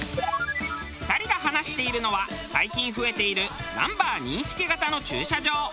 ２人が話しているのは最近増えているナンバー認識型の駐車場。